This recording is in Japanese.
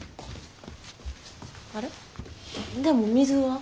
あれでも水は？